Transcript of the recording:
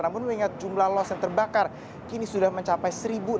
namun mengingat jumlah los yang terbakar kini sudah mencapai seribu enam ratus sembilan puluh satu